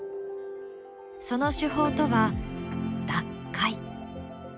その手法とは脱灰。